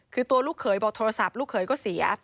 คือตัวลูกเขยบอกโทรศัพท์ลูกเขยก็เสีย